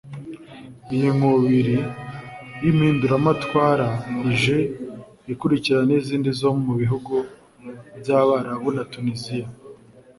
Iyi nkubiri y’impinduramatwara ije ikurikira n’izindi zo mu bihugu by’Abarabu na Tuniziya